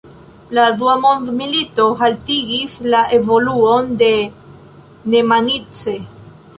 La dua mondmilito haltigis la evoluon de Nemanice.